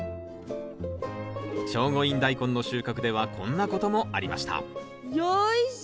聖護院ダイコンの収穫ではこんなこともありましたよいしょ。